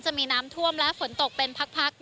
จะมีน้ำท่วมและฝนตกเป็นพัก